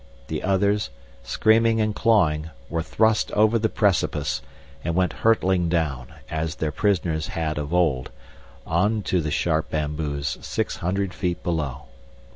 The others, screaming and clawing, were thrust over the precipice, and went hurtling down, as their prisoners had of old, on to the sharp bamboos six hundred feet below.